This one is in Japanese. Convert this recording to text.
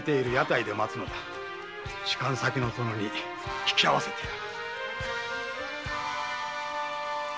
仕官先の殿に引き合わせてやる。